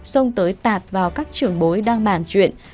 xông tới tạt vào các trường bối đang bàn chuyện